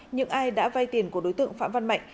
những ai đã vay tiền của đối tượng phạm văn mạnh